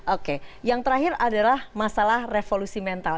oke yang terakhir adalah masalah revolusi mental